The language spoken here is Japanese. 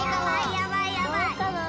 やばいやばい。